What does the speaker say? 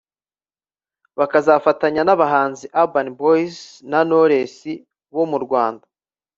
bakazafatanya n’abahanzi Urban Boyz na Knowless bo mu Rwanda